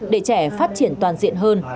để trẻ phát triển toàn diện hơn